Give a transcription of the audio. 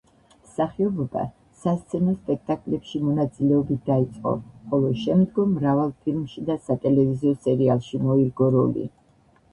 მსახიობობა სასცენო სპექტაკლებში მონაწილეობით დაიწყო, ხოლო შემდგომ მრავალ ფილმში და სატელევიზიო სერიალში მოირგო როლი.